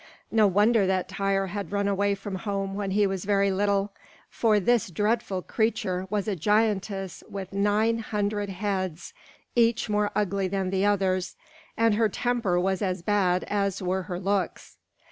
No wonder that Tŷr had run away from home when he was very little; for this dreadful creature was a giantess with nine hundred heads, each more ugly than the others, and her temper was as bad as were her looks.